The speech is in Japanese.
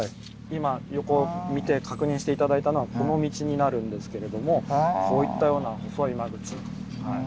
今横を見て確認して頂いたのはこの道になるんですけれどもこういったような細い間口。